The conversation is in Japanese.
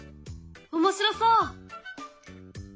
面白そう！